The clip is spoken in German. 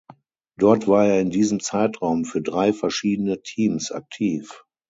Dort war er in diesem Zeitraum für drei verschiedene Teams aktiv.